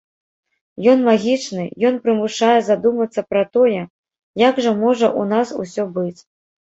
Ён магічны, ён прымушае задумацца пра тое, як жа можа ў нас усё быць.